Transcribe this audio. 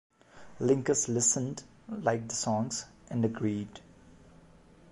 Linkous listened, liked the songs, and agreed.